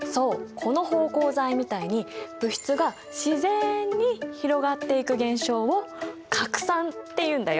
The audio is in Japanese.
この芳香剤みたいに物質が自然に広がっていく現象を「拡散」っていうんだよ。